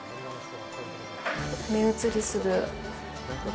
目移りする。